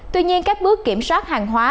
tuy nhiên các bước kiểm soát hàng hóa